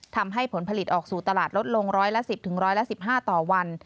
ทำให้ผลผลิตออกสู่ตลาดลดลงร้อยละ๑๐ถึงร้อยละ๑๕ต่อวัน